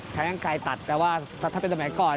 ใช้อังกายตัดแต่ว่าถ้าเป็นตำแก่ก่อน